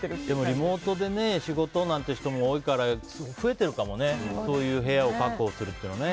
でもリモートで仕事なんていう人も多いから増えてるかもねそういう部屋を確保するって。